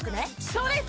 そうです！